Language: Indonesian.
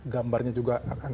gambarnya juga agak agak